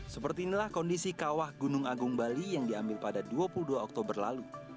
seperti inilah kondisi kawah gunung agung bali yang diambil pada dua puluh dua oktober lalu